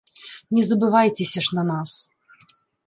Не забывайцеся ж на нас.